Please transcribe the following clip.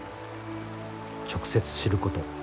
直接知ること。